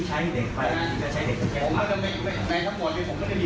หรือมันถึงสั่งที่ฉันสั่งไว้ให้ดูสิ